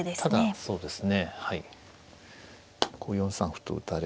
そうですね